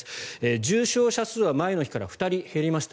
重症者数は前の日から２人減りました。